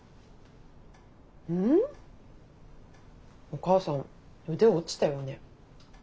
お母さん腕落ちたよね。